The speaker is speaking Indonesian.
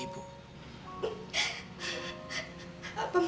ibu tidak akan mencari ibu